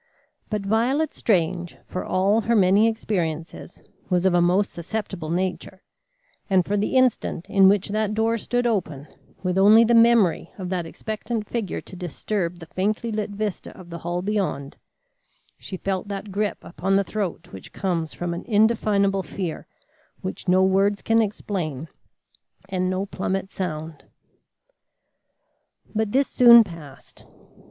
But Violet Strange, for all her many experiences, was of a most susceptible nature, and for the instant in which that door stood open, with only the memory of that expectant figure to disturb the faintly lit vista of the hall beyond, she felt that grip upon the throat which comes from an indefinable fear which no words can explain and no plummet sound. But this soon passed.